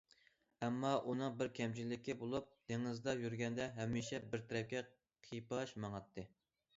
ئەمما ئۇنىڭ بىر كەمچىلىكى بولۇپ دېڭىزدا يۈرگەندە ھەمىشە بىر تەرەپكە قىيپاش ماڭاتتى.